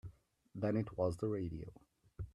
Then it was the radio.